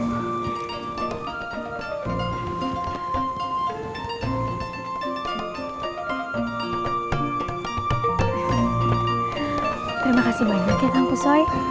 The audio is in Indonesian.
terima kasih banyak ya kang pusoi